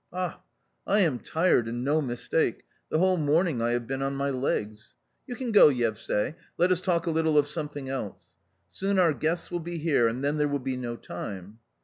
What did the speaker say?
Ah ! I am tired and no mistake, the whole morning I have been on my legs. You can go, Yevsay. Let us talk a little of something else. Soon our guests will be here, and then there will be no time."